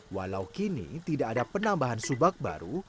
walau kini tidak ada penambahan subak baru